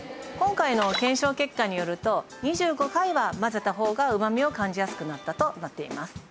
今回の検証結果によると２５回は混ぜた方が旨味を感じやすくなったとなっています。